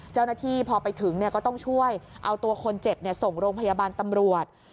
เจ้าหน้าที่พอไปถึงก็ต้องช่วยเอาตัวคนเจ็บส่งโรงพยาบาลตำรวจ